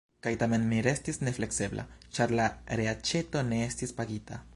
Kaj tamen mi restis nefleksebla, ĉar la reaĉeto ne estis pagita.